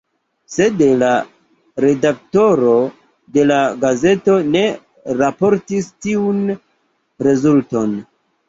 Sed la redaktoro de la gazeto ne raportis tiun rezulton.